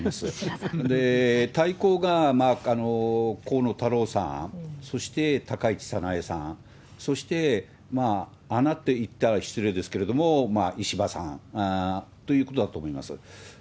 で、対抗が河野太郎さん、そして高市早苗さん、そして穴っていったら失礼ですけれども、石破さんということだと思います。